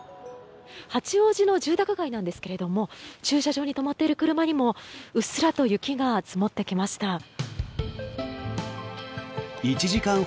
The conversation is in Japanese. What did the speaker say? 八王子の住宅街なんですけれども駐車場に止まっている車にもうっすらと雪が積もってきました。